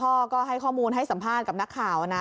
พ่อก็ให้ข้อมูลให้สัมภาษณ์กับนักข่าวนะ